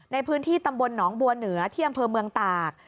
ในพื้นที่ตำบลหนองบัวเหนือที่อำเภอเมืองตาก